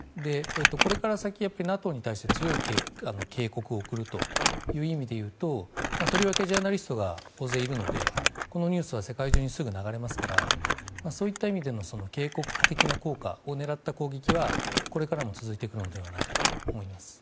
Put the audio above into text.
これから先、ＮＡＴＯに対して強い警告を送るという意味でいうととりわけジャーナリストが大勢いるのでこのニュースは世界中にすぐ流れますからそういった意味での警告的な効果を狙った攻撃は、これからも続いていくのではないかと思います。